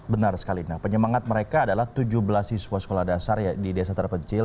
benar sekali penyemangat mereka adalah tujuh belas siswa sekolah dasar di desa terpencil